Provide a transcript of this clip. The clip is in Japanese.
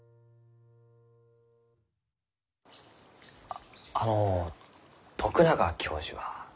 ああの徳永教授は？